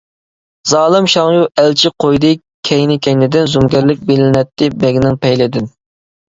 زالىم شاڭيو ئەلچى قويدى كەينى-كەينىدىن، زومىگەرلىك بىلىنەتتى بەگنىڭ پەيلىدىن.